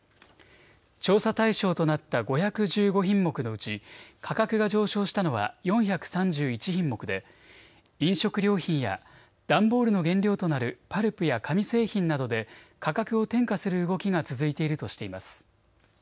調査対象となった５１５品目のうち価格が上昇したのは４３１品目で飲食料品や段ボールの原料となるパルプや紙製品などで価格を転嫁する動きが続いているとしています。